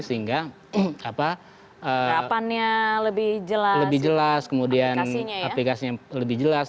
sehingga rapannya lebih jelas aplikasinya lebih jelas